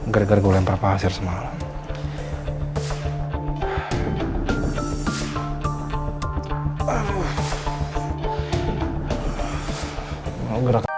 gara gara gue lempar pasir semalam